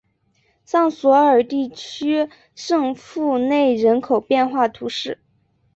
尚索尔地区圣博内人口变化图示